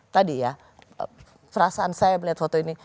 tadi ya perasaan saya melihat foto ini